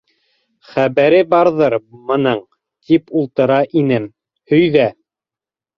Хәбәре барҙыр мының тип ултыра инем. һөйҙә.